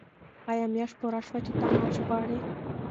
آیا میاشت پوره شوه چې ته معاش غواړې؟